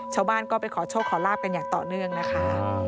ชาวบ้านก็ไปขอโชคขอลาบกันอย่างต่อเนื่องนะคะ